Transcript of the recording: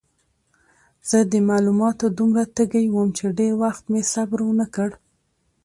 زه د معلوماتو دومره تږی وم چې ډېر وخت مې صبر ونه کړ.